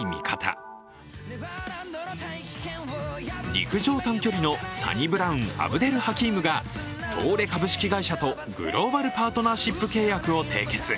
陸上短距離のサニブラウン・アブデル・ハキームが東レ株式会社とグローバルパートナーシップ契約を締結。